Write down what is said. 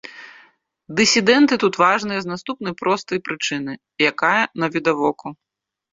Дысідэнты тут важныя з наступнай простай прычыны, якая навідавоку.